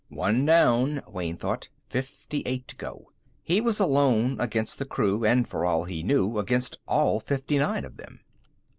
One down, Wayne thought. Fifty eight to go. He was alone against the crew and, for all he knew, against all fifty nine of them.